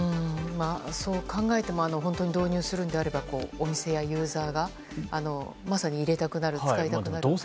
そう考えても本当に導入するのであればお店やユーザーがまさに使いたくなるような。